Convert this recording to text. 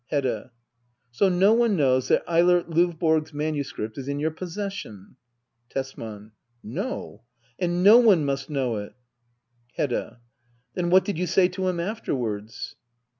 Hedda. So no one knows that Eilert Lovborg's manu script is in your possession ? Tesman. No. And no one must know it Hedda. Then what did you say to him afterwards